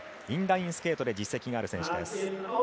インラインスケートで実績がある選手です。